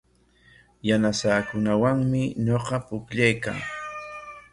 Yanasaakunawanmi ñuqa pukllaykaa.